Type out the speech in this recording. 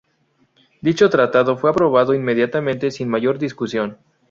Dicho tratado fue aprobado inmediatamente, sin mayor discusión.